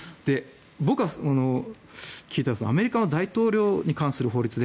僕が聞いたのはアメリカの大統領に関する法律で